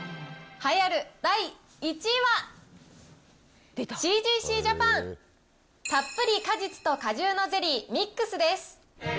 栄えある第１位は、シージーシージャパンたっぷり果実と果汁のゼリーミックスです。